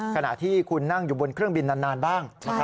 ขณะที่คุณนั่งอยู่บนเครื่องบินนานบ้าง